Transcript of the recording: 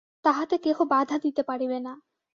তাহাতে কেহ বাধা দিতে পারিবে না।